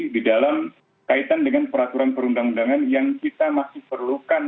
di dalam kaitan dengan peraturan perundang undangan yang kita masih perlukan